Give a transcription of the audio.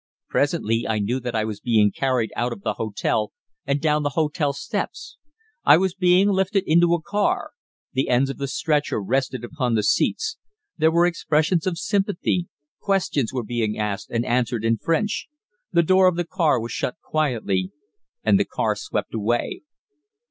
Presently I knew that I was being carried out of the hotel, and down the hotel steps. I was being lifted into a car. The ends of the stretcher rested upon the seats. There were expressions of sympathy; questions were being asked and answered in French; the door of the car was shut quietly, and the car swept away.